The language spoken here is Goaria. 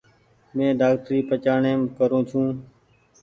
مين ڊآڪٽري پچآڻيم ڪرو ڇو۔